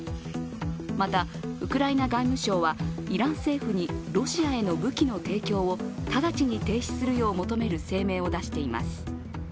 また、ウクライナ外務省は、イラン政府にロシアへの武器の提供を直ちに停止するよう求める声明を出しています。